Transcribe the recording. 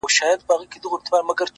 سیاه پوسي ده ـ ژوند تفسیرېږي ـ